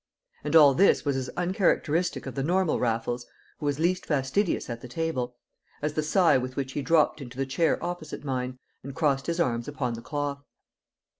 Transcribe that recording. And all this was as uncharacteristic of the normal Raffles (who was least fastidious at the table) as the sigh with which he dropped into the chair opposite mine, and crossed his arms upon the cloth.